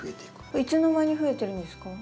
これいつの間に増えてるんですか？